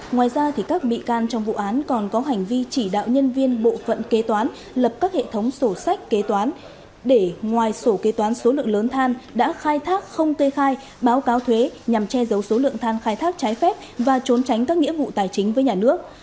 ngoài ra các bị can trong vụ án còn có hành vi chỉ đạo nhân viên bộ phận kế toán lập các hệ thống sổ sách kế toán để ngoài sổ kế toán số lượng lớn than đã khai thác không kê khai báo cáo thuế nhằm che giấu số lượng than khai thác trái phép và trốn tránh các nghĩa vụ tài chính với nhà nước